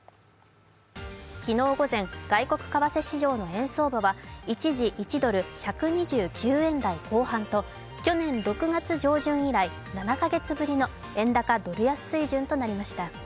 昨日午前、外国為替市場の円相場は一時１ドル＝１２９円台後半と去年６月上旬以来７か月ぶりの円高・ドル安水準となりました。